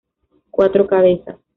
Cuatro Cabezas.